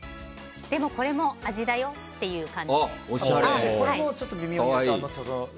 でも、これも味だよっていう感じです。